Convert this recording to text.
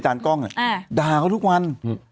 ด่าเขาทุกวัน